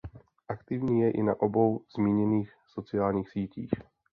Aktivní je i na obou zmíněných sociálních sítích.